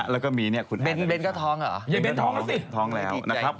แล้วก็มีเนี่ยคุณแอนด์แซมทองแล้วนะครับ